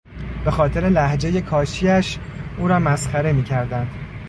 به خاطر لهجهی کاشی اش او را مسخره میکردند.